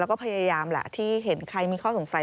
แล้วก็พยายามแหละที่เห็นใครมีข้อสงสัย